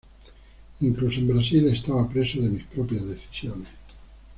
Incluso en Brasil estaba preso de mis propias decisiones.